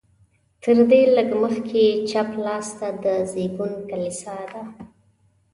تر دې لږ مخکې چپ لاس ته د زېږون کلیسا ده.